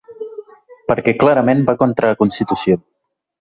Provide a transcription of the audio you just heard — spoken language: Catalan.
Perquè clarament va contra la constitució.